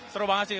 seru banget sih